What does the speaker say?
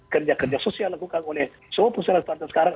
kerja kerja sosial lakukan oleh semua pusat partai sekarang